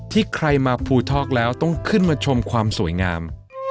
ใครมาภูทอกแล้วต้องขึ้นมาชมความสวยงาม